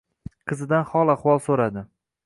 Qizidan hol-ahvol so‘radi